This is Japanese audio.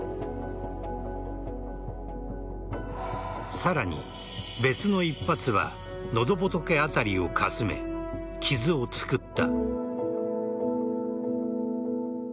さらに別の１発は喉仏辺りをかすめ傷を作った。